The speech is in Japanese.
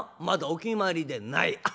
まだお決まりでない。